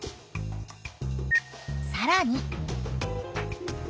さらに。